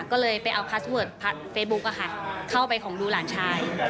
ก็เลยไปเอาคัสเวิร์ดเฟซบุ๊กเข้าไปของดูหลานชาย